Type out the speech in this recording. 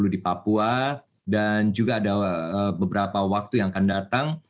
dan juga ada beberapa waktu yang akan datang